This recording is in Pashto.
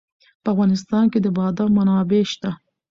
په افغانستان کې د بادام منابع شته.